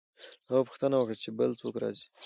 هغه پوښتنه وکړه چې بل څوک راځي؟